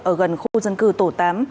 ở gần khu dân cư tổ tám